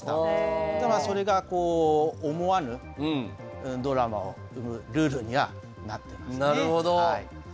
それがこう思わぬドラマを生むルールにはなってますね。